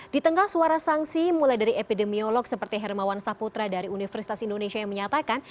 di tengah suara sanksi mulai dari epidemiolog seperti hermawan saputra dari universitas indonesia yang menyatakan